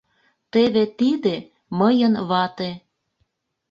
Теве тиде — мыйын вате.